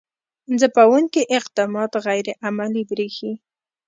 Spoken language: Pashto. ځپونکي اقدامات غیر عملي برېښي.